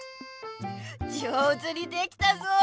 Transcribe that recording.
じょうずにできたぞ。